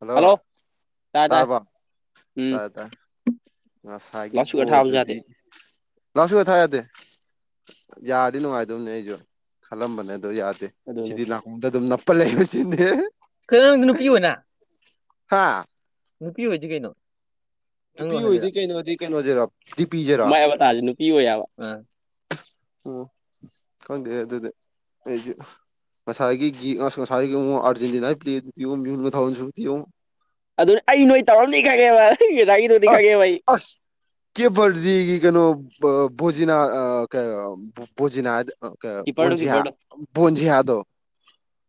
hello ꯇꯥꯔꯦ ꯇꯥꯔꯦ ꯇꯕ ꯎꯝ ꯇꯥꯏ ꯇ ꯑ ꯂꯥꯎꯠ ꯁꯒꯤꯕꯣ ꯏꯁꯄꯤꯀꯔ ꯊꯥꯕꯁꯨ ꯌꯥꯗꯦ ꯑꯗꯨꯗꯤ ꯅꯁꯤꯕ ꯊꯗꯦ ꯌꯥꯔꯗꯤ ꯅꯨꯡꯉꯥꯏꯗꯧꯅꯦ ꯑꯩꯁꯨ ꯈꯜꯂꯝꯕꯅꯦ ꯑꯗꯣ ꯌꯥꯗꯦ ꯑꯗꯨꯅꯦ ꯁꯤꯗꯤ ꯂꯥꯛꯈꯣꯡꯗ ꯑꯗꯨꯝ ꯅꯞꯄ ꯂꯩ ꯁꯤꯅꯦ ꯀꯩꯅꯣ ꯅꯨꯄꯤ ꯑꯣꯏꯅ ꯍꯥꯥ ꯅꯨꯄꯤ ꯑꯣꯏꯁꯤ ꯀꯩꯅꯣ ꯅꯪ ꯅꯨꯄꯤ ꯑꯣꯏꯣꯏꯗꯤ ꯑꯣꯏꯍꯜꯂꯤꯔꯣ ꯀꯩꯅꯣꯗꯤ ꯀꯩꯅꯣꯁꯤꯔ ꯗꯤꯄꯤꯁꯤꯦꯔꯥ ꯄꯤ ꯑꯣꯏ ꯌꯥꯕ ꯑ ꯎ ꯍꯦ ꯑꯗꯨꯗꯦ ꯍꯒꯤ ꯉꯁꯥꯏꯒꯤ ꯉꯁꯥꯏꯒꯤ ꯑꯔꯖꯦꯟꯇꯤꯅꯥꯒꯤ ꯄ꯭ꯂꯦꯗꯨ ꯃꯤꯅ ꯊꯥꯎꯟꯁꯨꯣ ꯑꯗꯨꯅ ꯑꯩ ꯅꯣꯏ ꯇꯧꯔꯝꯅꯤ ꯈꯪꯒꯦꯕ ꯑꯁ ꯑꯁ ꯀꯦꯕꯔꯗꯤ ꯀꯩꯅꯣ ꯣꯖꯤꯅꯥ ꯑ ꯀ ꯣꯖꯤꯅꯥ ꯍꯥꯏ ꯀꯤꯄꯔꯗꯣ [inaudible] ꯣꯖꯤꯌꯥ ꯀꯤꯄꯔꯗꯣ ꯣꯖꯤꯌꯥꯗꯣ [inaudible]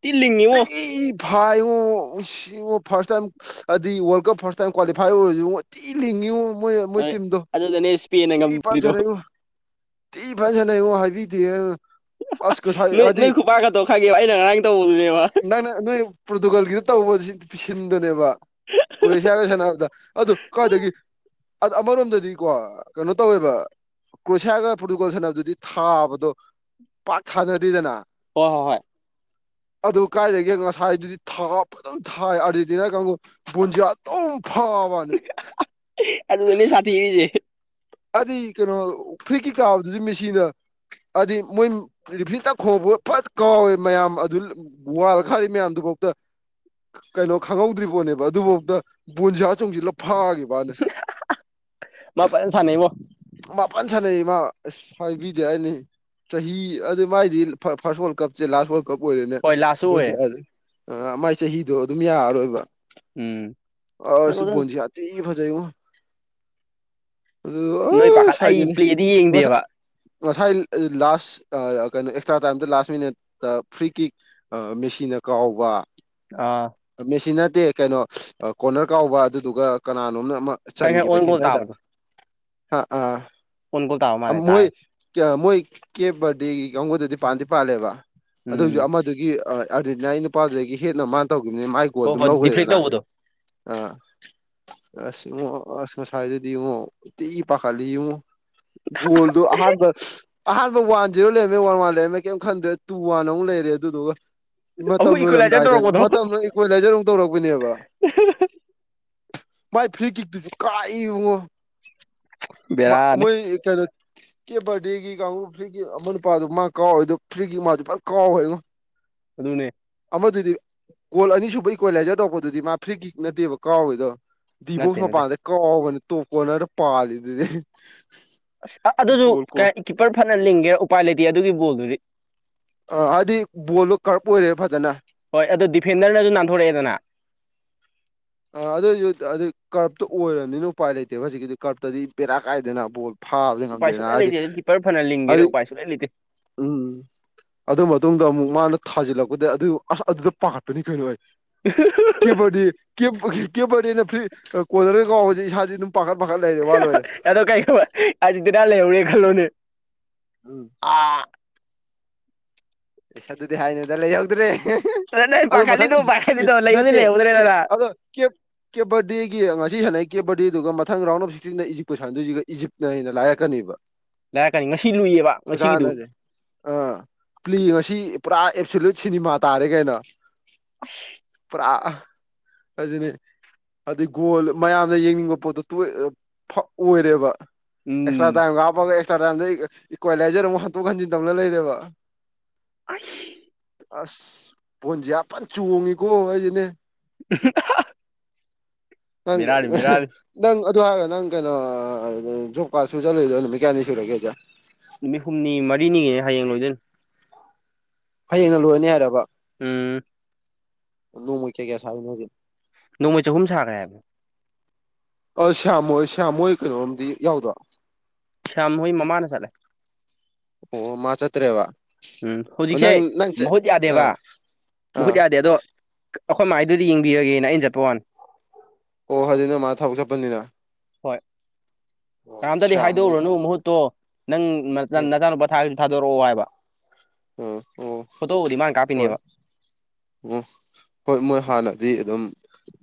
ꯇꯤꯜꯂꯤꯡꯉꯤꯉꯣ [unintelligible] ꯐꯥꯏꯉꯨ ꯁꯤꯉ ꯐꯥꯔꯁ ꯇꯥꯏꯝ ꯍꯥꯏꯗꯤ world cup first time qualify ꯑꯣꯏꯔꯁꯨ ꯇꯤ ꯂꯤꯡꯉꯨ [inaudible] [unintelligible] ꯃꯣꯏ ꯃꯣꯏ ꯇꯤꯝꯗꯣ ꯑꯗꯨ ꯑꯦꯁ ꯄꯤ [inaudible] ꯇꯤ ꯄꯥꯟꯁꯅꯉꯣ ꯇꯤ ꯄꯥꯟꯁꯅ ꯌꯦꯡꯉꯣ ꯍꯥꯏꯕꯤꯗꯦ ꯑꯁ ꯀꯁ ꯅꯣꯏ ꯑꯗꯤ ꯅꯣꯏ ꯈꯨꯄꯥꯛꯀꯗꯣ ꯈꯪꯉꯦꯕ ꯑꯩꯅ ꯉꯔꯥꯡ ꯇꯧꯕꯗꯨꯅꯦꯕ ꯅ ꯅ [unintelligible] ꯄꯣꯔꯇꯨꯒꯥꯜꯒꯤꯅ ꯇꯧꯕ ꯄꯤꯁꯤꯟꯗꯨꯅꯦꯕ ꯀ꯭ꯔꯣꯦꯁꯤꯌꯥꯒ ꯁꯥꯟꯅꯕꯗ ꯑꯗꯨ ꯀꯋꯥꯏꯗꯒꯤ ꯑꯃꯔꯣꯝꯗꯗꯤꯀꯣ ꯀꯩꯅꯣ ꯇꯧꯋꯦꯕ ꯀ꯭ꯔꯣꯁꯤꯌꯥꯒ ꯐꯨꯠꯕꯣꯜ ꯁꯥꯟꯅꯕꯗꯨꯗꯤ ꯊꯥꯕꯗꯣ ꯄꯥꯛꯠ ꯁꯥꯅꯗꯦꯗꯅ ꯍꯣꯏ ꯍꯣꯏ ꯍꯣꯏ ꯑꯗꯨ ꯀꯥꯏꯗꯒꯦ ꯉꯁꯥꯏꯗꯨꯗꯤ ꯊꯥ ꯐ ꯑꯗꯨꯝ ꯊꯥꯏ ꯑꯥꯔꯖꯦꯟꯇꯤꯅꯥ ꯀꯥꯡꯕꯨ ꯟꯖ ꯑꯗꯨ ꯑꯗꯨꯝ ꯐꯕꯅꯤ ꯑꯗ ꯑꯅꯤ ꯁꯥ ꯏꯔꯤꯁ ꯑꯗꯨꯗꯤ ꯀꯩꯅꯣ ꯐ꯭ꯔꯤꯠꯀꯤ ꯀꯥꯕꯗꯨꯗꯤ ꯃꯦꯆꯗ ꯍꯥꯏꯗꯤ ꯃꯣꯏ ꯔꯤꯐꯔꯤꯇ ꯈꯣꯡꯕ ꯐꯠ ꯀꯥꯎꯋꯦ ꯃꯌꯥꯝ ꯑꯗꯨ ꯋꯥꯂ ꯈꯥꯔꯤ ꯃꯌꯥꯝꯗꯨꯐꯧꯗ ꯀꯩꯅꯣ ꯈꯪꯍꯧꯗ꯭ꯔꯤ ꯄꯣꯠꯅꯦꯕ ꯑꯗꯨꯐꯥꯎꯗ ꯕꯣꯟꯁꯥ ꯆꯣꯡꯁꯤꯜꯂ ꯐꯥꯈꯤꯕꯦꯕ ꯃꯄ ꯁꯥꯟꯅꯕꯣ [inaudible] ꯃꯥꯄꯥꯟ ꯁꯥꯟꯅꯩ ꯏ ꯃꯥ ꯑꯁ ꯍꯥꯏꯕꯤꯗꯦ ꯍꯥꯏꯅꯤ ꯆꯍꯤ ꯑꯗꯨ ꯃꯥꯏꯗꯤ ꯐꯥꯔꯁ ꯑꯣꯜ [inaudible] ꯀꯞꯁꯦ ꯂꯥꯁ ꯋꯥꯔꯜ ꯀꯞ ꯑꯣꯏꯔꯦꯅꯦ ꯍꯣꯏ ꯂꯥꯁꯁꯨ ꯕꯣꯜꯁꯦ ꯑꯣꯏꯔꯦ ꯃꯥꯏ ꯆꯍꯤꯗꯣ ꯑꯗꯨꯝ ꯌꯥꯔꯔꯣꯏꯕ ꯑꯁꯤ ꯎꯝ ꯕꯨꯖꯤ ꯌꯥꯇ ꯐꯖꯏ ꯋꯥ [unintelligible] ꯅꯣꯏ ꯑꯗꯨ ꯄꯥꯈꯠ ꯑꯩ ꯁꯥꯏꯅꯤ ꯄ꯭ꯂꯦꯗꯤ ꯌꯦꯡꯗꯦꯕ [unintelligible] ꯉꯁꯥꯏ ꯂꯥꯁ ꯀꯩꯅꯣ ꯑꯦꯛꯁꯇ꯭ꯔꯥ ꯇꯥꯏꯝꯗ ꯂꯥꯁ ꯃꯤꯅꯠꯇ ꯐ꯭ꯔꯤ ꯀꯤꯛ ꯃꯦꯆꯤꯟꯅ ꯀꯥꯎꯕ ꯑꯥ ꯃꯦꯁꯤ ꯅꯠꯇꯦ ꯀꯩꯅꯣ ꯀꯣꯔꯅꯔ ꯀꯥꯎꯕ ꯑꯗꯨꯗꯨꯒ ꯀꯅꯥꯅꯣꯝꯅ ꯑꯃ ꯈꯔ ꯈꯔ ꯆꯟꯈꯤꯕ ꯑꯣꯟ ꯒꯣꯜ ꯍꯦꯗꯔꯗ ꯇꯥꯕꯗꯣ ꯑ ꯑꯣꯟ ꯒꯣꯜ ꯇꯥꯕ ꯑꯥ ꯃꯥꯜꯂꯦ ꯃꯣꯏ ꯇꯥꯏ ꯃꯣꯏ ꯀꯦꯞ ꯕꯥꯔꯗꯦꯒꯤ ꯀꯥꯡꯕꯨꯗꯗꯤ ꯄꯥꯟꯗꯤ ꯄꯥꯜꯂꯦꯕ ꯎꯝ ꯑꯗꯨꯏꯁꯨ ꯑꯗꯨꯒꯤ ꯑꯥꯔꯖꯦꯟꯇꯤꯅꯥ ꯑꯩ ꯅꯨꯄꯥꯗꯨꯗꯒꯤ ꯍꯦꯟꯅ ꯃꯥꯅ ꯇꯧꯈꯤꯕꯅꯤ ꯃꯥꯏ ꯒꯣꯜ ꯍꯣꯏ ꯑꯗꯨꯝ ꯍꯣꯏ ꯗꯤꯐ꯭ꯂꯦꯛ ꯂꯧꯈ꯭ꯔꯦꯗꯅ ꯇꯧꯕꯗꯣ ꯑꯥ ꯑꯁ ꯏꯉꯣ ꯑꯁ ꯉꯁꯥꯏꯗꯗꯤ ꯏꯉꯛ ꯎ ꯇꯤ ꯄꯥꯈꯠꯂꯤ ꯏꯉꯣ ꯍꯣꯜꯗꯨ ꯍꯥꯏ [unintelligible] ꯑꯍꯥꯟꯕ ꯋꯥꯟ ꯖꯤꯔꯣ ꯂꯩꯔꯝꯃꯦ ꯋꯥꯟ ꯋꯥꯟ ꯂꯩꯔꯝꯃꯦ ꯀꯩꯝ ꯈꯟꯗ꯭ꯔꯦ ꯇꯨ ꯋꯥꯟ ꯑꯃꯨꯛ ꯂꯩꯔꯦ ꯑꯗꯨꯗꯨꯒ ꯃꯇꯝ ꯑꯃꯨꯛ ꯏꯀ꯭ꯋꯦꯂꯥꯏꯖꯔ ꯂꯣꯏꯔꯝꯗꯥꯏꯗꯅ ꯇꯧꯔꯛꯄꯗꯣ ꯃꯇꯝꯗꯨ ꯏꯀꯣꯏ ꯂꯥꯏꯖꯔ ꯑꯃꯨꯛ ꯇꯧꯔꯛꯄꯅꯦꯕ [unintelligible] ꯃꯥꯏ ꯐ꯭ꯔꯤ ꯀ ꯇ [unintelligible] ꯀꯥꯏ ꯕꯦꯔꯥꯅꯤ ꯃꯣꯏ ꯀꯅꯣ [unintelligible] ꯀꯦ ꯕꯔꯗꯦꯒꯤ ꯀꯥꯡꯕꯨ ꯐ꯭ꯔꯤꯒꯤ ꯑꯃ ꯅꯨꯄꯥꯗꯨ ꯃꯥ ꯀꯥꯎꯋꯦ ꯑꯗꯨ ꯐ꯭ꯔꯤꯒꯤ ꯃꯥꯗꯤ ꯄꯨꯔ ꯀꯥꯎꯋꯦꯉꯣ ꯑꯗꯨꯅꯦ ꯑꯃꯗꯨꯗꯤ ꯀꯣꯜ ꯑꯅꯤꯁꯨꯕ ꯏꯀ꯭ꯋꯤꯂꯥꯏꯖꯔ ꯇꯧꯔꯛꯄꯗꯨꯗꯤ ꯃꯥ ꯐ꯭ꯔꯤ ꯀꯤꯛ ꯅꯠꯇꯦꯕ ꯀꯥꯎꯋꯦꯗꯣ ꯅꯠꯇꯦ ꯗꯤꯕꯧꯁ ꯅꯠꯇꯦ ꯃꯄꯥꯟꯗ ꯀꯥꯎꯕꯅꯤ ꯇꯣꯛꯀꯣꯅꯔ ꯄꯥꯜꯂꯤ ꯑꯗꯨꯗꯤ ꯑꯁ ꯑꯗꯨꯁꯨ ꯀ ꯀꯤꯞꯄꯔ ꯐꯅ ꯂꯤꯡꯒꯦ ꯎꯄꯥꯏ ꯂꯩꯇꯦ ꯑꯗꯨꯒꯤ ꯕꯣꯜꯗꯨꯗꯤ ꯑ ꯍꯥꯏꯗꯤ ꯕꯣꯜꯗꯣ ꯀꯔꯞ ꯑꯣꯏꯔꯦ ꯐꯖꯅ ꯍꯣꯏ ꯑꯗꯨꯣ ꯗꯤꯐꯦꯟꯗꯔꯁꯨ ꯅꯥꯟꯊꯣꯔꯛꯑꯦꯗꯅ ꯑ ꯑꯗꯨꯑꯣꯏꯁꯨ ꯑꯗꯨ ꯀꯔꯞꯇ ꯑꯣꯏꯔꯕꯅꯤꯅ ꯎꯄꯥꯏ ꯂꯩꯇꯦꯕ ꯍꯧꯖꯤꯛꯀꯤꯗꯤ ꯀꯔꯞꯇꯗꯤ ꯄꯦꯔꯥ ꯀꯥꯏꯗꯅꯕꯣ ꯐꯥꯕꯗꯤ ꯎꯄꯥꯏ ꯉꯝꯗꯦꯅ ꯁꯨꯛꯂꯩ ꯍꯥꯏꯗꯤ ꯂꯩꯇꯦ ꯑꯗꯨ ꯀꯤꯞꯄꯔ ꯐꯅ ꯂꯤꯡꯒꯦꯔꯥ ꯑꯗꯨꯗꯤ ꯎꯄꯥꯏ ꯁꯨꯛꯂꯩ ꯂꯩꯇꯦ ꯎꯝ ꯑꯗꯨ ꯃꯇꯨꯡꯗ ꯑꯃꯨꯛ ꯃꯥꯅ ꯊꯥꯖꯤꯜꯂꯛꯄꯗ ꯑꯗꯨ ꯑꯁ ꯑꯗꯨꯗ ꯄꯥꯈꯠꯄꯅꯤ ꯀꯩꯅꯣ ꯑꯣꯏ ꯎ [inaudible] ꯀꯦꯄꯔꯗꯤ ꯀꯦꯄꯔꯗꯤ ꯑꯩꯅ ꯐ꯭ꯔꯤ ꯀꯣꯂꯔꯒ ꯀꯥꯎꯕꯁꯦ ꯏꯁꯥꯥꯁ ꯑꯗꯨꯝ ꯄꯥꯈꯠ ꯄꯥꯈꯠ ꯂꯩꯔꯦ ꯋꯥꯠ ꯂꯣꯏꯔꯦ ꯑꯗꯣ ꯀꯩꯗꯧꯕ ꯑꯖꯤꯛꯇꯅꯥ ꯂꯩꯍꯧꯔꯦ ꯈꯜꯂꯣꯅꯦ ꯎꯝ ꯑꯥ ꯄꯩꯁꯥ ꯑꯗꯨꯗꯤ ꯍꯥꯏꯅꯗ ꯂꯩꯍꯧꯗ꯭ꯔꯦ ꯅꯪ ꯑꯗꯣ ꯃꯊꯪ ꯄꯥꯈꯠꯂꯤꯗꯣ ꯄꯥꯈꯠꯂꯤꯗꯣ ꯂꯩꯕꯨꯗꯤ ꯅꯠꯇꯦ ꯂꯩꯍꯧꯗ꯭ꯔꯦꯗꯅ ꯑꯗꯣꯦ ꯀꯦꯕꯔꯗꯤꯒꯤ ꯉꯁꯤ ꯁꯥꯟꯅꯩ ꯀꯦꯕꯔꯗꯤꯦꯗꯨꯒ ꯃꯊꯪ ꯔꯥꯎꯟ ꯑꯣꯐ ꯁꯤꯛꯁꯇꯤꯟꯗ ꯏꯖꯤꯞꯄꯨ ꯁꯥꯟꯗꯣꯏꯁꯤꯒ ꯏꯖꯤꯞꯅ ꯍꯦꯟꯅ ꯂꯥꯏꯔꯛꯀꯅꯦꯕ ꯂꯥꯏꯔꯛꯀꯅꯤ ꯉꯁꯤ ꯂꯨꯏꯌꯦꯕ ꯉꯁꯤꯒꯤꯗꯨ ꯑꯥ ꯄ꯭ꯂꯂꯤ ꯉꯁꯤ ꯄꯨꯔꯥ ꯑꯦꯞꯁꯣꯂꯨꯠ ꯁꯤꯅꯤꯃꯥ ꯇꯥꯔꯦ ꯀꯥꯏꯅ ꯑ ꯄ꯭ꯔꯥ ꯍꯧꯖꯤꯅꯤ ꯑꯗꯩ ꯒꯣꯜ ꯃꯌꯥꯝꯅ ꯌꯦꯡꯅꯤꯡꯕ ꯄꯣꯠꯇꯣ ꯑꯣꯏꯔꯦꯕ ꯎꯝ ꯑꯦꯛꯁꯇ꯭ꯔꯥ ꯇꯥꯏꯝ ꯀꯥꯞꯄꯒ ꯑꯦꯁ꯭ꯔ ꯇꯥꯏꯝꯗ ꯏꯀ꯭ꯋꯦꯂꯥꯏꯖꯔ ꯑꯃꯛꯟꯇꯣꯛꯟꯖꯤꯟ ꯇꯧꯅ ꯂꯩꯦꯕ ꯑꯩ ꯑꯁ ꯄꯣꯟꯁꯤ ꯌꯥꯝꯄ ꯆꯣꯡꯉꯤꯀꯣ ꯑꯩꯁꯤꯅꯦ ꯍꯪ ꯕꯦꯔꯥꯅꯤ ꯕꯦꯔꯥꯅꯤ ꯅꯪ ꯑꯗꯨ ꯍꯥꯏꯔꯣ ꯅꯪ ꯀꯩꯅꯣ ꯖꯣꯕ ꯀꯥꯔꯠ ꯁꯨ ꯆꯠꯂꯨꯏꯗ ꯅꯨꯃꯤꯠ ꯀꯌꯥꯅꯤ ꯁꯨꯔꯒꯦꯁꯦ ꯅꯨꯃꯤꯠ ꯍꯨꯝꯅꯤ ꯃꯔꯤꯅꯤꯒꯤꯅꯦ ꯍꯌꯦꯡ ꯂꯣꯏꯗꯨꯅꯦ ꯍꯌꯦꯡꯅ ꯂꯣꯏꯔꯅꯤ ꯍꯥꯏꯔꯕ ꯎꯝ ꯅꯣꯟꯃꯥꯒꯤ ꯀꯌꯥ ꯀꯌꯥ ꯁꯥꯒꯤ ꯅꯣꯡꯃꯩ ꯆꯍꯨꯝ ꯁꯥꯈ꯭ꯔꯦ ꯍꯥꯏꯕ ꯑ ꯁꯌꯥꯝꯃꯣꯏ ꯁꯌꯥꯝꯃꯣꯏ ꯀꯩꯅꯣꯝꯗꯤ ꯌꯥꯎꯗ꯭ꯔꯣ ꯁꯌꯥꯝꯃꯍꯨꯣꯏ ꯃꯃꯥꯅ ꯆꯠꯂꯦ ꯑꯣ ꯃꯥ ꯆꯠꯇꯦꯕ ꯎꯝ ꯍꯧꯖꯤꯛꯁꯦ ꯃꯍꯨꯠ ꯑꯥ ꯌꯥꯗꯦꯕ ꯃꯍꯨꯠ ꯑꯥ ꯌꯥꯗꯦ ꯑꯗꯣ ꯑꯩꯈꯣꯏ ꯃꯥꯏꯗꯨꯗꯤ ꯌꯦꯡꯕꯤꯔꯒꯦꯅ ꯑꯟ ꯆꯠꯄ ꯋꯥꯅꯤ ꯑꯣ ꯑꯗꯨꯖꯤꯅ ꯃꯥ ꯊꯕꯛ ꯆꯠꯄꯅꯤꯅ ꯍꯣꯏ ꯀꯅꯥꯝꯇꯗꯤ ꯁ꯭ꯌꯥꯝ ꯍꯣꯏ ꯍꯥꯏꯗꯣꯛꯎꯨꯔꯣꯅꯨ ꯃꯍꯨꯠꯇꯣ ꯅꯪ ꯎꯝ ꯅꯆꯥꯅꯨꯄꯥ ꯊꯥꯔꯁꯨ ꯊꯥꯗꯣꯔꯛꯑꯣ ꯍꯥꯏꯕ ꯎꯝ ꯑꯣ ꯀꯇꯧ ꯃ ꯀꯥꯄꯤꯅꯦꯕ ꯑꯣ ꯍꯣꯏ ꯃꯣꯏ ꯍꯥꯟꯅꯗꯤ ꯑꯗꯨꯝ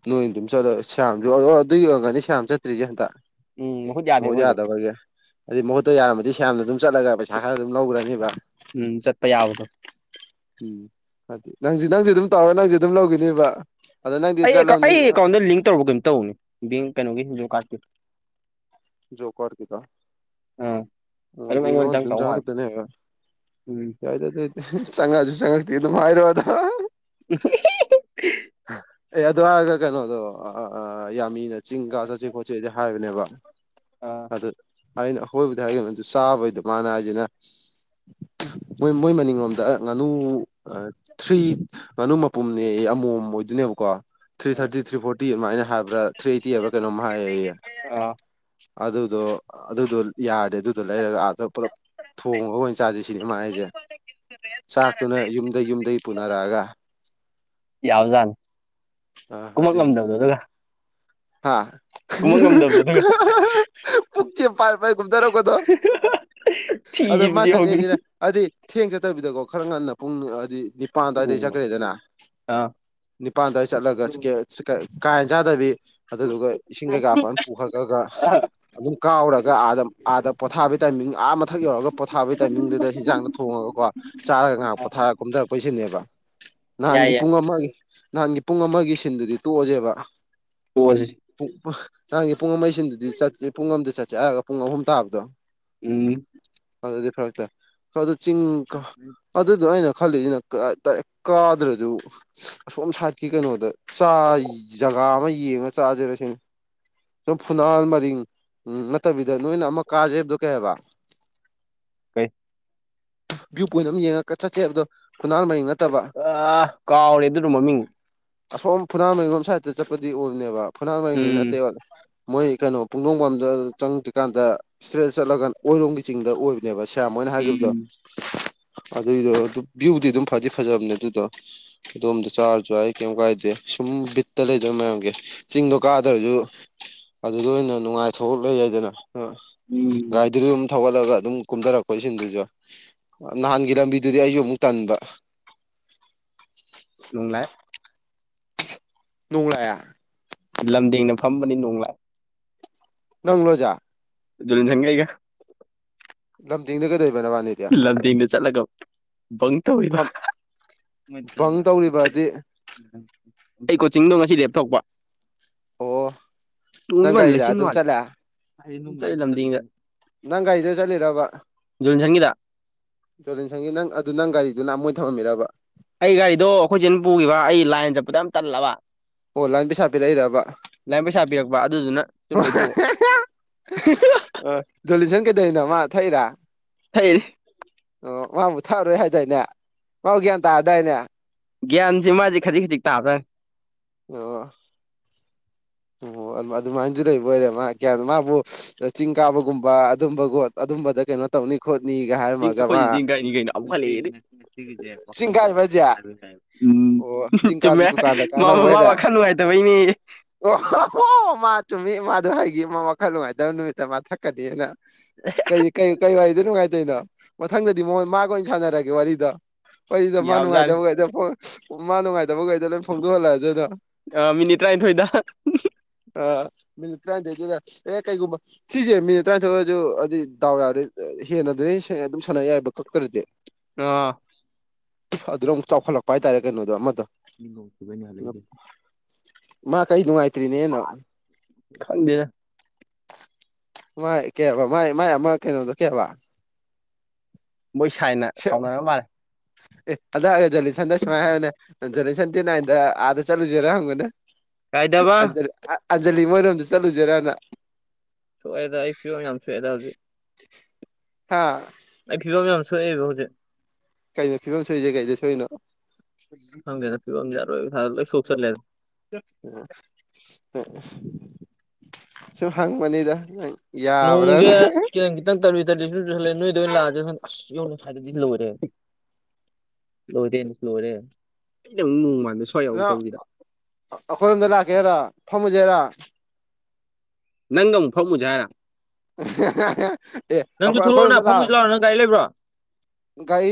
ꯅꯣꯏꯗꯨ ꯑꯗꯨꯝ ꯆꯠꯂꯌꯥꯝꯁꯨ ꯑꯗꯨꯒꯤ ꯌ ꯑꯣꯏꯔꯒꯅꯤ ꯁꯌꯥꯝ ꯆꯠꯇ꯭ꯔꯤꯁꯦ ꯍꯟꯇꯛ ꯎꯝ ꯃꯍꯨꯠ ꯌꯥꯗꯦꯕ ꯍꯧꯖꯤꯛ ꯃꯖꯥꯗꯕꯒꯦ ꯑꯗꯨꯩ ꯃꯍꯨꯠꯇ ꯌꯥꯔꯝꯃꯗꯤ ꯁ ꯌꯥꯝꯅ ꯑꯗꯨꯝ ꯆꯠꯂꯒ ꯄꯩꯁꯥ ꯈꯔ ꯑꯗꯨꯝ ꯂꯧꯈ꯭ꯔꯅꯤꯕ ꯎꯝ ꯆꯠꯄ ꯌꯥꯕꯗꯣ ꯎꯝꯗꯤ ꯅꯪꯁꯨ ꯅꯪꯁꯨ ꯑꯗꯨꯝ ꯇꯧꯔ ꯅꯪꯁꯨ ꯑꯗꯨꯝ ꯂꯧꯈꯤꯅꯦꯕ ꯑꯩ ꯑꯩ ꯑꯦꯀꯥꯎꯟꯗ ꯂꯤꯡ ꯇꯧꯔꯨꯔꯕ ꯀꯩꯝꯇ ꯇꯧꯅꯤ ꯕꯦꯡ ꯀꯩꯅꯣꯒꯤ ꯍꯗ ꯀꯥꯔꯠꯀꯤ ꯖꯣ ꯀꯣꯔꯔꯒꯤꯗ ꯑꯥ ꯑꯗꯨꯝ ꯃꯗꯤ ꯅꯣ ꯑꯩꯉꯣꯟꯗ ꯆꯪ ꯑꯗꯨ ꯇꯧ ꯆꯥꯡꯉ ꯃꯥꯜꯂꯦ ꯇꯅꯦ ꯌꯥ ꯎꯝ ꯆꯪꯉꯛꯑꯁꯨ ꯆꯪꯉꯛꯇꯦ ꯑꯗꯨꯝ ꯍꯥꯏꯔꯣ ꯑꯗ ꯎꯝ ꯑꯦ ꯑꯗꯨ ꯍꯥꯏꯔꯒ ꯀꯩꯅꯣꯗꯣ ꯌꯥꯝꯃꯤꯅ ꯆꯤꯡ ꯀ ꯆꯠꯁꯦ ꯈꯣꯠꯆꯦꯗꯤ ꯍꯥꯏꯕꯅꯦꯕ ꯑꯥ ꯑꯗꯨ ꯑꯩꯅ ꯑꯈꯣꯏꯕꯗ ꯍꯥꯏꯒꯅꯤ ꯑꯗꯨ ꯆꯥꯕꯩꯗ ꯃꯥꯅ ꯍꯥꯏꯁꯤꯅ ꯃꯣꯏ ꯃꯣꯏ ꯃꯅꯤꯡꯂꯣꯝꯗ ꯉꯥꯅꯨ ꯊ꯭ꯔꯤ ꯉꯥꯅꯨ ꯃꯄꯨꯝꯅꯦ ꯑꯃꯣꯝ ꯑꯣꯏꯗꯨꯣꯏꯅꯦꯕꯀꯣ ꯊ꯭ꯔꯤ ꯑꯥ ꯊꯥꯔꯇꯤ ꯊ꯭ꯔꯤ ꯐꯣꯔꯇꯤ ꯑꯗꯨꯃꯥꯏꯅ ꯍꯥꯏꯕ꯭ꯔꯥ ꯊ꯭ꯔꯤ ꯑꯩꯇꯤ ꯍꯥꯏꯕ ꯀꯩꯅꯣꯝ ꯍꯥꯏꯌꯦ ꯑꯩꯦ ꯑꯥ ꯑꯗꯨꯗꯣ ꯑꯗꯨꯗꯣ ꯌꯥꯔꯦ ꯑꯗꯨꯗꯣ ꯂꯩꯔꯒ ꯑꯥꯗ ꯄꯨꯂꯞ ꯊꯣꯡꯉꯒ ꯑꯣꯏꯅ ꯆꯥꯥꯁ ꯁꯤꯅꯤ ꯃꯥ ꯑꯩꯁꯦ ꯆꯥꯛꯇꯨꯅ ꯌꯨꯝꯗ ꯌꯨꯝꯗꯒꯤ ꯄꯨꯅꯔꯛꯑꯒ ꯌꯥꯕꯖꯥꯅꯤ ꯍꯥꯏꯗꯤ ꯍꯥ ꯀꯨꯝꯃꯛ ꯉꯝꯗꯕꯗꯣ ꯑꯗꯨꯒ ꯈꯨꯠꯁꯦ ꯄꯥꯏ ꯄꯥꯏꯔ ꯀꯨꯝꯊꯔꯛꯄꯗꯣ ꯑꯗꯣ ꯃꯥ ꯊꯤꯕꯗꯤ ꯍꯧꯗꯣꯏꯅꯤ ꯆꯠꯆꯦꯁꯤꯅ ꯍꯥꯏꯗꯤ ꯊꯦꯡ ꯆꯠꯇꯕꯤꯗꯀꯣ ꯈꯔ ꯉꯟꯅ ꯄꯨꯡ ꯍꯥꯏꯗꯤ ꯅꯤꯄꯥꯜ ꯑꯗꯨꯋꯥꯏꯗꯩ ꯅꯣꯡꯃ ꯆꯠꯈ꯭ꯔꯦꯗꯅ ꯑꯥ ꯅꯤꯄꯥꯜ ꯑꯗꯨꯋꯥꯏ ꯆꯠꯂꯒꯦ ꯀꯥ ꯍꯦꯟ ꯆꯥꯗꯕꯤ ꯑꯗꯨꯗꯨꯒ ꯏꯁꯤꯡ ꯀꯩꯀꯥ ꯐꯖꯅ ꯄꯨꯈꯠꯂꯒ ꯑꯗꯨꯝ ꯀꯥꯎꯔꯒ ꯑꯥ ꯑꯥꯗ ꯄꯣꯊꯥꯕꯒꯤ ꯇꯥꯏꯃꯤꯡ ꯑꯥ ꯃ ꯃꯊꯛ ꯌꯧꯔꯒ ꯄꯣꯊꯥꯕꯒꯤ ꯇꯥꯏꯃꯤꯡꯗꯨꯗ ꯍꯤꯟꯖꯥꯡꯗꯣ ꯊꯣꯡꯉꯒꯀꯣ ꯆꯥꯔꯒ ꯉꯥꯏꯍꯥꯛ ꯑꯥ ꯄꯣꯠꯊꯥꯔ ꯀꯨꯝꯊꯔꯛꯄꯩ ꯁꯤꯟꯅꯦꯕ ꯌꯥꯏ ꯅꯍꯥꯟꯒꯤ ꯌꯥꯏ ꯄꯨꯡ ꯑꯃꯒꯤ ꯅꯍꯥꯟꯒꯤ ꯄꯨꯡ ꯑꯃꯒꯤ ꯁꯤꯟꯗꯨꯗꯤ ꯇꯣꯛꯑꯁꯦꯕ ꯄꯣꯖꯤꯔꯤ ꯨꯡ ꯆꯥꯡꯒꯤ ꯄꯨꯡ ꯑꯃꯒꯤꯩꯁꯤꯟꯗꯨꯗꯤ ꯆꯠ ꯄꯨꯡ ꯑꯃꯗ ꯆꯠꯁꯦ ꯍꯥꯏꯔꯒ ꯄꯨꯡ ꯑꯍꯨꯝ ꯇꯥꯕꯗꯣ ꯎꯝ ꯑꯗꯨꯗꯤ ꯐꯔꯛꯇ ꯑꯗꯨ ꯆꯤꯡ ꯑꯗꯨꯗꯣ ꯑꯩꯅ ꯈꯜꯂꯤꯁꯤꯅ ꯀꯥꯗ꯭ꯔꯗꯨ ꯑꯁꯣꯝ ꯁꯥꯥꯏꯠꯀꯤ ꯀꯩꯅꯣꯗ ꯖꯒꯥ ꯑꯃ ꯌꯦꯡꯉ ꯆꯥꯖꯔꯁꯤꯅꯦ ꯐꯨꯅꯥꯜ ꯃꯔꯤꯡ ꯎꯝ ꯅꯠꯇꯕꯤꯗ ꯅꯣꯏꯅ ꯑꯃꯨꯛ ꯀꯥꯖꯦ ꯍꯥꯏꯕꯗꯣ ꯀꯩ ꯍꯥꯏꯕ ꯀꯩ ꯚꯌꯨ ꯄꯣꯏꯟ ꯑꯃ ꯌꯦꯡꯉꯒꯠ ꯆꯠꯁꯦꯕꯗꯣ ꯈꯨꯅꯥꯟ ꯃꯔꯤ ꯑ ꯀꯥꯎꯔꯦ ꯑꯗꯨꯗꯣ ꯃꯃꯤꯡ ꯑꯁꯣꯝ ꯐꯨꯅꯥꯟ ꯃꯔꯤꯡ ꯂꯣꯝ ꯁꯥꯏꯗꯠꯇ ꯆꯠꯄꯗꯤ ꯑꯣꯏꯕꯅꯦꯕ ꯐꯨꯅꯥꯟ ꯃꯔꯤꯡꯒꯤꯗꯤ ꯎꯝ ꯅꯠꯇꯦ ꯃꯣꯏ ꯀꯩꯅꯣ ꯄꯨꯡꯗꯣꯡꯐꯝꯗ ꯆꯪꯗ꯭ꯔꯤꯀꯥꯟꯗ ꯏꯁꯇ꯭ꯔꯦꯠ ꯆꯠꯂꯒ ꯑꯣꯏꯔꯣꯝꯒꯤ ꯆꯤꯡꯗ ꯑꯣꯏꯕꯅꯦꯕ ꯁꯌꯥꯝ ꯍꯣꯏꯅ ꯍꯥꯏꯈꯤꯕꯗꯣ ꯎꯝ ꯑꯗꯨꯏꯗꯣ ꯑꯗꯨ ꯚ꯭ꯌꯨꯗꯤ ꯑꯗꯨꯝ ꯐꯗꯤ ꯐꯖꯕꯅꯦ ꯑꯗꯨꯗꯣ ꯑꯗꯣꯝꯗ ꯆꯥꯔꯁꯨ ꯌꯥꯏ ꯀꯩꯝ ꯀꯥꯏꯗꯦ ꯁꯨꯝ ꯕꯤꯠꯇ ꯂꯩꯗꯅ ꯃꯌꯥꯝꯒꯤ ꯆꯤꯡꯗꯣ ꯀꯥꯗ꯭ꯔꯁꯨ ꯑꯗꯨꯗ ꯑꯣꯏꯅ ꯅꯨꯡꯉꯥꯏꯊꯣꯛ ꯂꯩ ꯌꯥꯏꯗꯅ ꯎꯝ ꯒꯥꯔꯤꯗꯨꯁꯨ ꯑꯗꯨꯝ ꯊꯧꯒꯠꯂꯒ ꯑꯗꯨꯝ ꯀꯨꯝꯊꯔꯛꯄ ꯏꯁꯤꯡꯗꯨꯁꯨ ꯅꯍꯥꯟꯒꯤ ꯂꯝꯕꯤꯗꯨꯗꯤ ꯑꯩꯁꯨ ꯑꯃꯨꯛ ꯇꯟꯕ ꯅꯨꯡꯉꯥꯏ ꯅꯣꯡ ꯂꯥꯛꯑꯦ ꯂꯝꯗꯦꯡꯅ ꯐꯝꯕꯅꯤ ꯅꯣꯡ ꯂꯥꯛꯑꯦ ꯅꯪꯂꯣ ꯍꯥꯏꯁꯦ ꯖꯦꯂꯤꯟꯁꯟꯒ ꯑꯩꯒ ꯂꯝꯗꯤꯡꯗ ꯀꯩꯗꯧꯔꯤꯕ ꯅꯕꯥꯅꯤ ꯂꯝꯗꯦꯡꯗ ꯆꯠꯂꯒ ꯕꯪ ꯇꯧꯔꯤꯕ ꯐꯝ ꯕꯪ ꯇꯧꯔꯤꯕꯗꯤ ꯑꯩ ꯀꯣꯆꯤꯡꯗꯣ ꯉꯁꯤ ꯂꯦꯞ ꯊꯣꯛꯄ ꯑꯣ ꯅꯪ ꯒꯥꯔꯤꯗ ꯑꯗꯨꯝ ꯆꯠꯂꯦ ꯑꯩ ꯂꯝꯗꯤꯡꯗ ꯅꯪꯒꯥꯔꯤꯗꯨꯗ ꯆꯠꯂꯤꯔꯕ ꯖꯣꯂꯤꯟꯁꯟꯒꯤꯗ ꯖꯣꯔꯦꯟꯁꯟꯒꯤ ꯅꯪ ꯑꯗꯨ ꯅꯪ ꯒꯥꯔꯤꯗꯨ ꯅ ꯃꯣꯏ ꯊꯝꯃꯤꯔꯕ ꯑꯩ ꯒꯥꯔꯤꯗꯣ ꯑꯩꯈꯣꯏ ꯆꯦꯅ ꯄꯨꯈꯤꯕ ꯑꯩ ꯂꯥꯏꯟ ꯆꯠꯄꯗ ꯌꯥꯝ ꯇꯜꯂꯕ ꯑꯣ ꯂꯥꯏꯟ ꯄꯩꯁꯥ ꯄꯤꯔꯛꯏꯔꯕ ꯂꯥꯏꯟ ꯄꯩꯁꯥ ꯄ ꯑꯗꯨꯗꯨꯅ ꯆꯨꯔꯨꯞ ꯂꯩꯊꯣꯛꯎꯕ ꯑ ꯖꯣꯂꯤꯁꯟ ꯀꯩꯗꯩꯅꯣ ꯃꯥ ꯊꯛꯏꯔꯥ ꯊꯛꯏ ꯑꯣ ꯃꯥꯕꯨ ꯊꯛꯑꯔꯣꯏ ꯍꯥꯏꯗꯥꯏꯅꯦ ꯃꯥꯕꯨ ꯒ꯭ꯌꯥꯟ ꯇꯥꯔꯗꯥꯏꯅꯦ ꯒ꯭ꯌꯥꯟꯁꯦ ꯃꯥꯁꯦ ꯈꯖꯤꯛ ꯈꯖꯤꯛ ꯇꯥꯕ꯭ꯔꯥ ꯑꯣ ꯑꯣ ꯑꯗꯨꯃꯥꯏꯅꯁꯨ ꯂꯩꯕ ꯑꯣꯏꯔꯦ ꯃꯥ ꯀꯌꯥ ꯃꯥꯕꯨ ꯆꯤꯡ ꯀꯥꯕꯒꯨꯝꯕ ꯑꯗꯨꯝꯕꯒꯣꯠ ꯑꯗꯨꯝꯕꯗ ꯀꯩꯅꯣ ꯇꯧꯅꯤ ꯈꯣꯠꯅꯤꯒ ꯍꯥꯏꯔꯝꯃꯒ ꯃꯥ ꯁꯤꯦ ꯆꯤꯡ ꯀꯥꯏꯕ ꯍꯥꯏꯁꯦ ꯎꯝ ꯑꯣ ꯆꯤꯡ ꯀꯥꯕꯗꯤ ꯆꯨꯝꯃꯦ ꯗꯨꯀꯥꯟꯗ ꯃꯥ ꯀꯥꯟꯅꯕ ꯃꯃꯥ ꯑꯣꯏꯔꯦ ꯋꯥꯈꯜ ꯅꯨꯡꯉꯥꯏꯇꯕꯩꯅꯦ ꯑꯣ ꯍꯣ ꯃꯥ ꯇꯨꯝꯃꯤ ꯃꯥꯥꯗꯣ ꯍꯥꯏꯒꯤ ꯑꯃ ꯋꯥꯈꯜ ꯅꯨꯡꯉꯥꯏꯇꯕ ꯅꯨꯃꯤꯠꯇ ꯃꯥ ꯊꯛꯀꯅꯤꯅ ꯀ ꯀ ꯀꯩ ꯋꯥꯔꯤꯗ ꯅꯨꯡꯉꯥꯏꯇꯣꯏꯅꯣ ꯃꯊꯪꯗꯗꯤ ꯃꯉꯣꯟ ꯃꯥꯒ ꯑꯣꯏꯅ ꯁꯥꯟꯅꯔꯒꯦ ꯋꯥꯔꯤꯗ ꯑꯩꯗꯣ ꯃꯥ ꯌꯥꯕꯖꯥꯠꯅꯤ ꯅꯨꯡꯉꯥꯏꯇꯕꯈꯩꯗ ꯃꯥ ꯅꯨꯡꯉꯥꯏꯇꯕꯈꯩꯗ ꯂꯣꯏ ꯐꯣꯡꯗꯣꯛꯍꯜꯂꯛꯑ ꯑꯗꯨꯅꯣ ꯑ ꯃꯤꯅꯤꯠ ꯇꯔꯥꯅꯤꯊꯣꯏꯗ ꯑ ꯃꯤꯅꯠ ꯇꯔꯥꯅꯤꯊꯣꯏꯗꯤ ꯌꯥꯏ ꯑꯦ ꯀꯩꯒꯨꯝꯕ ꯁꯤꯁꯦ ꯃꯤꯅꯤꯠ ꯇꯔꯥꯅꯤꯊꯣꯏꯁꯨ ꯑꯗꯨ꫰ꯍꯥꯏꯗꯤ ꯗꯥꯎ ꯌꯥꯔꯗꯤ ꯍꯦꯟꯅ ꯑꯗꯨꯝ ꯁꯥꯟꯅ ꯌꯥꯏꯕ ꯀꯛꯇꯔꯗꯤ ꯑ ꯑꯗꯨꯅ ꯑꯃꯨꯛ ꯆꯥꯎꯈꯠꯂꯛꯄ ꯍꯥꯏꯇꯥꯔꯦ ꯀꯩꯅꯣꯗꯣ ꯑꯃꯗ ꯃꯤ ꯅꯣꯡ ꯆꯨꯕꯩꯅꯦ ꯍꯜꯂꯛꯏꯗꯣ ꯃꯥ ꯀꯩ ꯅꯨꯡꯉꯥꯏꯇ꯭ꯔꯤꯅꯦ ꯈꯪꯗꯦꯅꯦ ꯃꯥꯏ ꯀꯩꯕ ꯃꯥꯏ ꯃꯥꯏ ꯑꯃ ꯀꯩꯅꯣꯗꯣ ꯀꯩꯕ ꯃꯣꯏ ꯁꯥꯏꯅ ꯁꯥꯎꯅꯔꯒ ꯃꯥꯜꯂꯦ ꯑꯦ ꯑꯝꯇ ꯍꯥꯏꯌꯨ ꯖꯣꯂꯤꯁꯟꯅ ꯁꯨꯃꯥꯏꯅ ꯍꯥꯏꯌꯨꯅꯦ ꯖꯣꯂꯤꯁꯟ ꯗꯦꯠ ꯅꯥꯏꯟꯗ ꯑꯥꯗ ꯆꯠꯂꯨꯁꯤꯔꯣ ꯍꯪꯉꯨꯅꯦ ꯀꯥꯏꯗꯕ ꯑꯖ ꯑꯖꯂꯤ ꯃꯅꯣꯁꯨ ꯆꯠꯂꯨꯖꯦꯔꯅ ꯁꯣꯛꯑꯦꯗ ꯑꯩ ꯐꯤꯕꯝ ꯌꯥꯝ ꯁꯣꯛꯑꯦꯗ ꯍꯧꯖꯤꯛ ꯍꯥꯥ ꯑꯩ ꯐꯤꯕꯝ ꯃꯌꯥꯝ ꯁꯣꯛꯑꯦꯕ ꯍꯧꯖꯤꯛ ꯀꯩꯅꯣ ꯐꯤꯕꯝ ꯁꯣꯏꯏꯁꯦ ꯀꯩꯗꯦ ꯁꯣꯏꯅꯣ ꯊꯖꯦ ꯄꯤꯕꯖꯔ ꯁꯣꯛ ꯆꯔ ꯂꯦ ꯁꯣ ꯍꯪ ꯃꯅꯤꯗ ꯅꯣꯡꯁꯦ ꯈꯤꯇꯪ ꯈꯤꯇꯪ ꯇꯔꯨ ꯇꯔꯨ ꯁ ꯆꯁꯜꯂꯦ ꯅꯣꯏꯗꯣꯏ ꯂꯥꯛꯑꯦ ꯑꯁ ꯌꯧꯔ ꯁ꯭ꯋꯥꯏꯗꯗꯤ ꯂꯣꯏꯔꯦ ꯂꯣꯏꯔꯦ ꯅꯁꯨ ꯂꯣꯏꯔꯦ ꯑꯩꯅ ꯑꯃꯨꯛ ꯅꯣꯡꯃꯥꯟꯕꯗ ꯁ꯭ꯋꯥꯏ ꯅꯪ ꯌꯥꯎꯔꯛꯇꯧꯕꯤꯗ ꯑꯩꯈꯣꯏꯔꯣꯝꯗ ꯂꯥꯛꯀꯦꯔ ꯊꯝꯃꯨꯁꯦꯔꯥ ꯅꯪꯒ ꯑꯃꯨꯛ ꯐꯝꯃꯨꯁꯦ ꯍꯥꯏꯔꯥ ꯑꯦ ꯅꯪꯁꯨ ꯑꯩꯈꯣꯏ ꯑꯩꯈꯣꯏ ꯊꯣꯛꯂꯛꯑꯣꯅ ꯁꯣꯝꯗ ꯐꯝꯃꯨꯁꯤ ꯂꯥꯛꯑ ꯂꯥꯎꯅ ꯅꯪ ꯒꯥꯔꯤ ꯂꯩꯕ꯭ꯔꯣ ꯒꯥꯔꯤ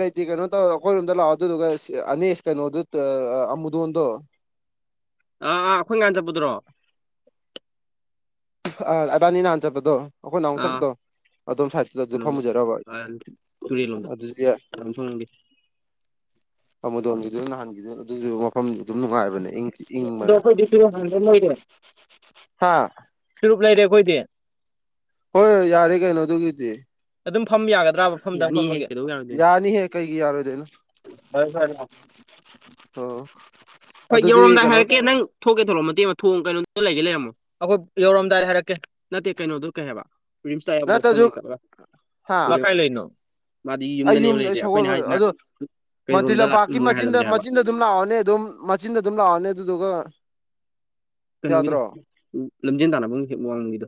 ꯂꯩꯇ ꯀꯩꯅꯣ ꯇꯧꯔ ꯑꯩꯈꯣꯏꯔꯣꯝꯗ ꯂꯥꯛꯑꯣ ꯑꯗꯨꯗꯨꯒ ꯑꯅꯦꯁ ꯀꯩꯅꯣꯗꯨ ꯑꯃꯨꯗꯣꯟꯗꯣ ꯑꯥ ꯑꯥ ꯑꯩꯈꯣꯏ ꯉꯥꯟ ꯆꯠꯄꯗꯨ꯭ꯔꯣ ꯏꯕꯥꯅꯤ ꯅꯍꯥꯟꯖꯕꯗꯣ ꯑꯩꯈꯣꯏ ꯑꯥ ꯅꯥꯎꯊꯄꯗꯣ ꯑꯗꯨꯣꯝ ꯁꯥꯏꯠꯇꯨꯗ ꯑꯗꯨ ꯀꯩꯅꯣ ꯐꯝꯃꯖꯔꯕ ꯑꯗꯨꯗꯤ ꯌꯥꯝꯪ ꯊꯪꯗꯤ ꯑꯃ ꯃꯗꯣꯟꯈꯤꯗꯅ ꯅꯍꯥꯟꯈꯤꯗꯅ ꯑꯗꯨ ꯃꯐꯝ ꯑꯗꯨꯝ ꯅꯨꯡꯉꯥꯏꯕꯅꯦ ꯏꯪꯁꯤ ꯑꯗꯣ ꯏꯪꯕꯗ ꯑꯩꯈꯣꯏꯗꯤ ꯇꯨꯔꯨꯞ ꯍꯥꯟꯕ ꯍꯥ ꯆꯨꯔꯨꯞ ꯂꯩꯔꯦ ꯑꯩꯈꯣꯏꯗꯤ ꯍꯣꯏ ꯍꯣꯏ ꯌꯥꯔꯦ ꯀꯩꯅꯣ ꯑꯗꯨꯒꯤꯗꯤ ꯑꯗꯨꯝ ꯐꯝ ꯌꯥꯒꯗ꯭ꯔꯥꯕ ꯃꯐꯝꯗꯗꯣꯏ ꯌꯥꯅꯤꯍꯦ ꯀꯩꯒꯤ ꯌꯥꯔꯣꯏꯗꯣꯏꯅꯣ ꯍꯣꯏ ꯍꯣꯏꯦ ꯑꯣ ꯍꯣꯏ ꯑꯗꯨꯗꯤ ꯌꯧꯔꯣꯝꯗꯥꯏ ꯀꯩꯅꯣ ꯍꯥꯏꯔꯛꯀꯦ ꯇꯧꯔꯣ ꯅꯪ ꯊꯣꯛꯀꯦ ꯊꯣꯛꯂꯛꯑꯣ ꯃꯇꯦꯛ ꯑꯃ ꯊꯣꯛꯣꯡꯉ ꯀꯩꯅꯣꯝ ꯂꯩꯒꯦ ꯂꯩꯔꯝꯃꯣ ꯑꯩꯈꯣꯏ ꯌꯧꯔꯝꯗꯥꯏ ꯍꯥꯏꯔꯛꯀꯦ ꯅꯠꯇꯦ ꯀꯩꯅꯣꯗꯣ ꯀꯩ ꯍꯥꯏꯕ ꯔꯤꯝꯁꯇꯥꯏꯕꯗ ꯅꯠꯇ꯭ꯔꯁꯨ ꯐꯣꯗꯠꯂ ꯍꯥ ꯀꯥꯏ ꯂꯩꯅꯣ ꯃꯥꯗꯤ ꯑꯩ ꯌꯨꯝꯗꯅꯦꯕ ꯌꯨꯝꯗ ꯂꯩꯇꯦ ꯑꯩ ꯁꯒꯣꯜ ꯑꯩꯈꯣꯏꯅ ꯍꯥꯏꯁꯤꯅ ꯑꯗꯣ ꯃꯟꯇ꯭ꯔꯤ ꯀꯩꯅꯣꯔꯣꯝꯗ ꯂꯝꯄꯥꯛꯀꯤ ꯃꯆꯤꯟꯗ ꯂꯥꯛꯉꯥꯏꯍꯜꯂꯝꯗꯦ ꯍꯥꯏꯕ ꯃꯆꯤꯟꯗ ꯑꯗꯨꯝ ꯂꯥꯛꯑꯣꯅꯦ ꯑꯗꯨꯝ ꯃꯆꯤꯟꯗ ꯑꯗꯨꯝ ꯂꯥꯛꯑꯣꯅꯦ ꯑꯗꯨꯗꯨꯒ ꯀꯩꯅꯣꯒꯤꯗꯣ ꯌꯥꯗ꯭ꯔꯣ ꯂꯝꯖꯦꯟ ꯇꯥꯟꯅꯕꯒꯤ ꯍ ꯋꯥꯡꯃꯒꯤꯗꯣ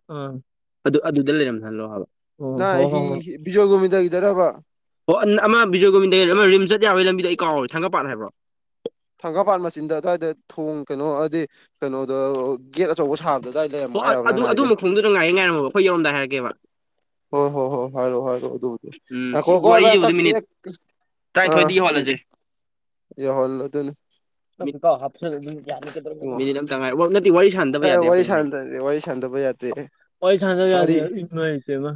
ꯑꯗꯨ ꯑꯗꯨꯗ ꯂꯩꯔꯝꯍꯜꯂꯣ ꯍꯥꯏꯕ ꯑꯣ ꯅ ꯍꯣ ꯍ ꯍꯣ ꯍꯣ ꯕꯤꯖꯣꯏ ꯨꯃꯤꯗꯒꯤꯗꯕ ꯑꯣ ꯑꯃ ꯕꯤꯖꯣꯏꯒꯣꯃꯤꯕꯤꯗ ꯑꯃ ꯝ ꯆꯠ ꯌꯥꯔꯣꯏ ꯂꯝꯕꯤꯗ ꯑꯩ ꯀꯥꯎꯔꯦ ꯊꯪꯒ ꯄꯠ ꯍꯥꯏꯕ꯭ꯔꯣ ꯊꯪꯒꯥꯄꯥꯠ ꯃꯆꯤꯟꯗ ꯑꯗꯨꯋꯥꯏꯗ ꯊꯣꯡ ꯀꯩꯅꯣ ꯍꯥꯏꯗꯤ ꯀꯩꯅꯣꯗ ꯒꯦꯠ ꯑꯆꯧꯕ ꯁꯥꯕꯗ ꯑꯗꯨꯏ ꯂꯩꯝꯨ ꯑꯣ ꯍꯥꯏꯔꯕ ꯑꯗꯨ ꯅꯅ ꯍꯥꯏꯁꯦ ꯑꯗꯨ ꯉꯥꯏꯌꯦ ꯉꯥꯏꯔꯃꯣ ꯑꯩꯣꯏ ꯌꯔꯝꯗ ꯍꯥꯏꯔꯒꯦꯕ ꯍꯣ ꯍꯣ ꯍꯣ ꯍꯔꯣ ꯍꯔꯣ ꯑꯗꯨ ꯎꯝ ꯁꯤ ꯑꯀꯣꯀꯣꯕ ꯑꯀꯣ ꯋꯥꯔꯤꯁꯤꯕꯨꯗꯤ ꯃꯤꯅꯤꯠ ꯑ ꯇꯔꯥꯅꯤꯊꯣꯏꯗꯒꯤ ꯍꯣꯠꯂꯁꯦ ꯌ ꯍꯣꯜꯂꯗꯅꯤ ꯀ ꯅ ꯋꯥꯔꯤ ꯁꯥꯟ ꯌꯥꯗꯦꯉ ꯁꯥꯟꯗꯕ ꯋꯥꯔꯤ ꯁꯥꯟꯅꯗꯕ ꯌꯥꯗꯦ ꯋꯥꯔꯤ ꯌꯥꯗꯦꯅꯨꯡꯉꯥꯏꯇꯦꯃ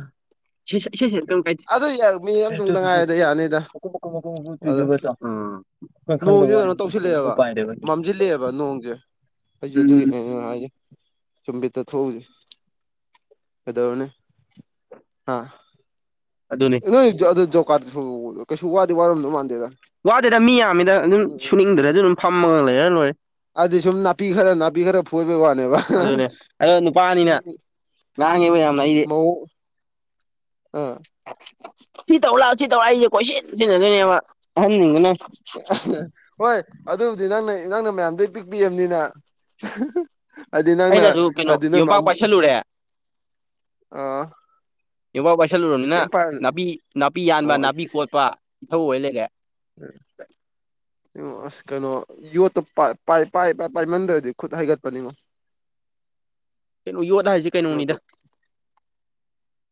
ꯦꯦꯁ ꯀꯝ ꯀꯥꯏꯦ ꯑꯗꯨ ꯃꯤ ꯑꯃꯇꯗ ꯉꯥꯏꯔꯗ ꯌꯥꯅꯤꯗ ꯃꯀꯨ ꯃꯀꯨ ꯃꯀꯨ ꯃꯀꯨ ꯑ ꯇꯨꯏꯗꯨꯕꯇꯣ ꯑꯩꯈꯣꯏ ꯈꯪꯗꯕ ꯅꯣꯡꯁꯨꯦ ꯋꯥꯅꯤ ꯀꯩꯅꯣ ꯃꯀꯨ ꯃꯀꯨ ꯃꯀꯨ ꯇꯧꯁꯤꯜꯂꯛꯑꯦꯕ ꯄꯥꯏꯔꯦꯕ ꯃꯝꯁꯤꯜꯂꯛꯑꯦꯕ ꯅꯣꯡꯁꯦ ꯎꯝ ꯑꯗꯨꯒꯤꯅꯦꯦ ꯆꯨꯝꯕꯤ ꯊꯎ ꯑꯗꯥꯅꯦ ꯍꯥꯥ ꯑꯗꯨꯅꯤ ꯅꯣꯏ ꯑꯗꯨ ꯖꯣꯀꯥꯔꯁꯨ ꯀꯩꯁꯨ ꯋꯥꯗꯤ ꯋꯥꯔꯝꯗꯧ ꯃꯥꯟꯗꯦꯗ ꯋꯥꯗꯦꯗ ꯃꯤ ꯌꯥꯝꯃꯤꯗ ꯑꯗꯨꯝ ꯎꯝ ꯁꯨꯅꯤꯡꯗ꯭ꯔꯁꯨ ꯑꯗꯨꯝ ꯐꯝꯃꯒ ꯂꯩꯔ ꯂꯣꯏꯦ ꯑꯗꯨꯗꯤ ꯁꯨꯝ ꯅꯥꯄꯤ ꯈꯔ ꯅꯥꯄꯤ ꯈꯔ ꯐꯣꯏꯕꯒꯤ ꯋꯥꯅꯦꯕ ꯁꯨꯝ ꯉꯥꯡꯉꯤꯕ ꯌꯥꯝꯅ ꯑꯩꯗꯤ ꯑ ꯁꯤ ꯇꯧꯔ ꯂꯥꯛꯑꯣ ꯁꯤ ꯇꯧꯔꯛ ꯑꯩꯁꯦ ꯀꯣꯏꯁꯤ ꯁꯤꯟꯅꯗꯣꯏꯅꯦꯕ ꯑꯍꯟꯅꯤꯡꯗꯅꯦ ꯍꯣꯏ ꯑꯗꯨꯕꯨꯗꯤ ꯅꯪꯅ ꯅꯪꯅ ꯃꯌꯥꯝꯗ ꯄꯤꯛꯄꯤꯑꯕꯅꯤꯅ ꯍꯥꯏꯗꯤ ꯅꯪꯅ ꯑꯩꯅꯁꯨ ꯀꯩꯅꯣ ꯑꯗꯨ ꯅ ꯌꯣꯝꯄꯥꯛ ꯄꯥꯏꯁꯜꯂꯨꯔꯦ ꯑ ꯌꯨꯝꯄꯥꯛ ꯄꯥꯏꯁꯜꯂꯨꯔꯕꯅꯤꯅ ꯅꯥꯄꯤ ꯅꯥꯄꯤ ꯌꯥꯟꯕ ꯑꯣ ꯅꯥꯄꯤ ꯀꯣꯠꯄ ꯏꯊꯧꯛ ꯑꯣꯏ ꯂꯩꯔꯦ ꯎꯝ ꯉ ꯑꯁ ꯀꯩꯅꯣ ꯌꯣꯠꯇꯣ ꯄꯥꯏ ꯄꯥꯏꯃꯟꯗ꯭ꯔꯗꯤ ꯈꯨꯠ ꯍꯩꯒꯠꯄꯅꯤꯉꯣ [inaudible] ꯀꯩꯅꯣ ꯌꯣꯠꯂ ꯍꯥꯏꯁꯁꯤ ꯌꯣꯠꯇꯣ ꯀꯩꯅꯣꯅꯤꯗ